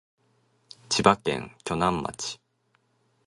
千葉県鋸南町